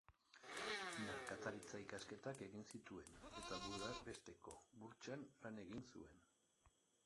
Merkataritza ikasketak egin zituen, eta Budapesteko Burtsan lan egin zuen.